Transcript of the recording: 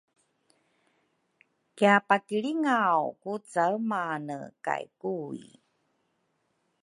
kiapakilringaw ku caemane kay Kui.